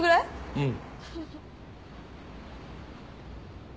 うん。